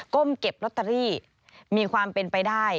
้มเก็บลอตเตอรี่มีความเป็นไปได้